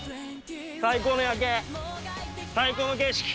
最高の夜景、最高の景色。